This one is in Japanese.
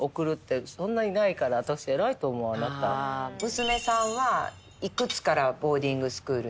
娘さんはいくつからボーディングスクールに？